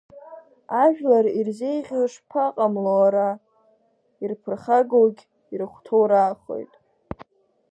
Ажәлар ирзеиӷьу шԥаҟамло ара, ирԥырхагоугь ирыхәҭоу раахоит…